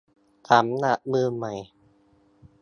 สำหรับมือใหม่